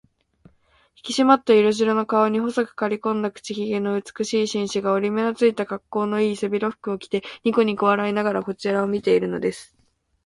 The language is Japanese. ひきしまった色白の顔に、細くかりこんだ口ひげの美しい紳士が、折り目のついた、かっこうのいい背広服を着て、にこにこ笑いながらこちらを見ているのです。